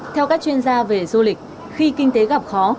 theo các chuyên gia về du lịch khi kinh tế gặp khó